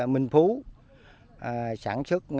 minh phú sản xuất